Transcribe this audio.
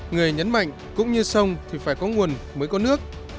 người nhấn mạnh cũng như sông thì phải có nguồn mới có nước